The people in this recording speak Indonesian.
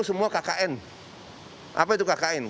semua kkn apa itu kkn